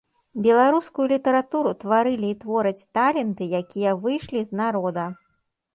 Беларускую літаратуру тварылі і твораць таленты, якія выйшлі з народа.